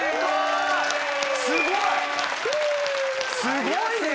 すごいね！